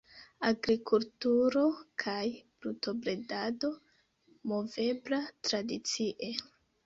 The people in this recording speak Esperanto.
Agrikulturo kaj brutobredado movebla tradicie.